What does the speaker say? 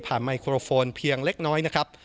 ไมโครโฟนเพียงเล็กน้อยนะครับ